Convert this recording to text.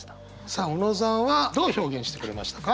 さあ小野さんはどう表現してくれましたか？